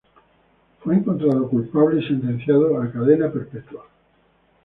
Fue encontrado culpable y sentenciado a cadena perpetua.